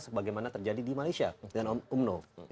sebagaimana terjadi di malaysia dengan umno